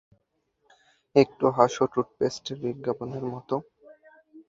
একটু হাসো, টুথপেস্টের বিজ্ঞাপনের মত।